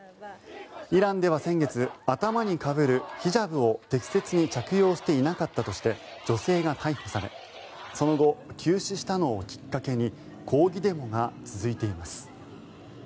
イランでは先月頭にかぶるヒジャブを適切に着用していなかったとして女性が逮捕されその後、急死したのをきっかけに抗議デモが続いています。